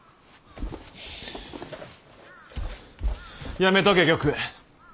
やめとけ玉栄。